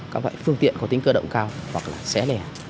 các loại phương tiện có tính cơ động cao hoặc là xé lẻ